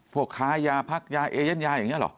ค้ายาพักยาเอเย่นยาอย่างนี้หรอ